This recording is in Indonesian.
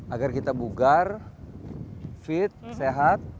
agar kita bugar fit sehat